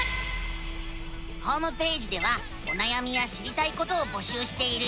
ホームページではおなやみや知りたいことを募集しているよ。